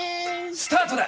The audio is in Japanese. スタートだ！